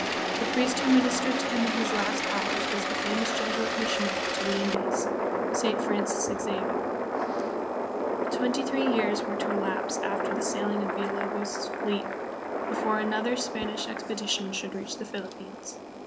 The priest who ministered to him in his last hours was the famous Jesuit missionary to the Indies, Saint Francis Xavier. SPANISH SOLDIER AND MISSIONARY. 119 Twenty three years were to elapse after the sailing of Villulobos' fleet before another Spanish expedition should reach the Philippines.